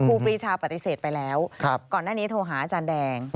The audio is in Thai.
ครูปีชาปฏิเสธไปแล้วก่อนหน้านี้โทรหาอาจารย์แดง